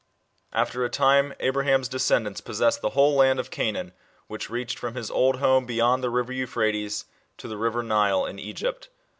After a time Abraham's descendants possessed the whole land of Canaan, which reached from his old home beyond the river Euphrates to the river Nile in Egypt.